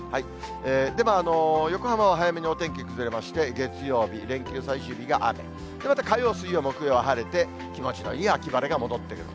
でも横浜は早めにお天気崩れまして、月曜日、連休最終日が雨、で、また火曜、水曜、木曜、晴れて、気持ちのいい秋晴れが戻ってくる。